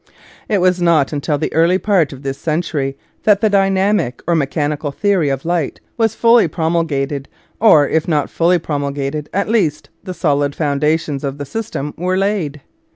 It was not until the early part of this cen tury that the dynamic or mechanical theory of light was fully promulgated, or if not fully promulgated, at least the solid foundations of the system were laid.